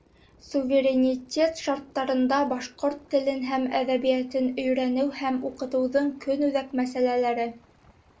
Суверенитет шарттарында башҡорт телен һәм әҙәбиәтен өйрәнеү һәм уҡытыуҙың көнүҙәк мәсьәләләре.